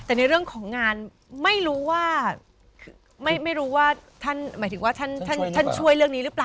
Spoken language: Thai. แต่ในเรื่องของงานไม่รู้ว่าไม่รู้ว่าท่านหมายถึงว่าท่านช่วยเรื่องนี้หรือเปล่า